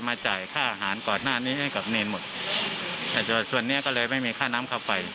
จ่ายค่าอาหารก่อนหน้านี้ให้กับเนรหมดส่วนนี้ก็เลยไม่มีค่าน้ำค่าไฟ